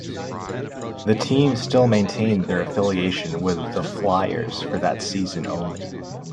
The team still maintained their affiliation with the Flyers for that season only.